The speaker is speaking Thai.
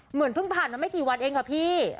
เหมือนเพิ่งผ่านมาไม่กี่วันเองค่ะพี่